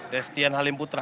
destian halim putra